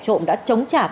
như số điện thoại email v v